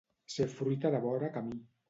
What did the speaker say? Ser fruita de vora camí.